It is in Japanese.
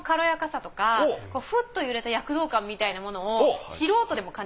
ふっと揺れた躍動感みたいなものを。